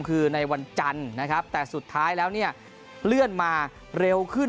คือในวันจันทร์นะครับแต่สุดท้ายแล้วเนี่ยเลื่อนมาเร็วขึ้น